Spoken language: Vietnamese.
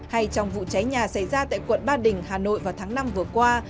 hay trong vụ cháy nhà xảy ra tại quận ba đình hà nội vào tháng năm vừa qua